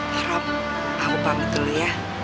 harap aku pamit dulu ya